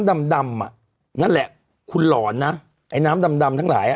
ดำดำอ่ะนั่นแหละคุณหลอนนะไอ้น้ำดำดำทั้งหลายอ่ะ